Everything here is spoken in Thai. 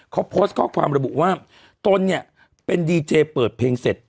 เขาโพสต์ข้อความระบุว่าตนเนี่ยเป็นดีเจเปิดเพลงเสร็จ